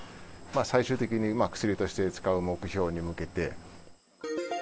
最終的に薬として使う目標に向けて。